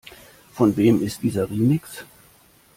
Von wem ist dieser Remix?